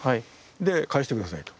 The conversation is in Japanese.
で「返して下さい」と。